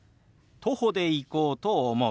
徒歩で行こうと思う。